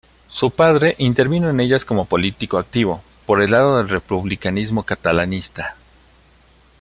Su padre, intervino en ellas como político activo, por el lado del republicanismo catalanista.